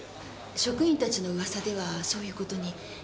職員達の噂ではそういうことに。